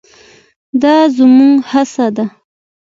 دا زموږ هڅه ده.